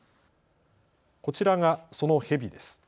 こちらがそのヘビです。